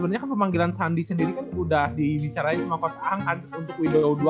butuh pemain wing yang bisa terobos juga gitu ya bo ya